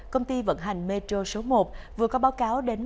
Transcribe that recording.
công ty vận hành metro số một vừa có báo cáo đến